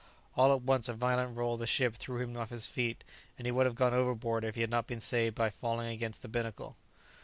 All at once a violent roll of the ship threw him off his feet, and he would have gone overboard if he had not been saved by falling against the binnacle.